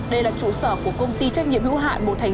đây là trụ sở của công ty trách nhiệm hữu hại